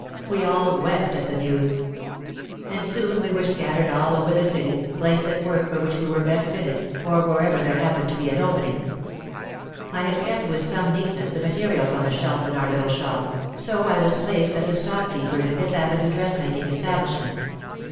We all wept at the news. And soon we were scattered all over the city, placed at work for which we were best fitted, or wherever there happened to be an opening. I had kept with some neatness the materials on the shelf in our little shop, so I was placed as a stock keeper in a Fifth Avenue dressmaking establishment.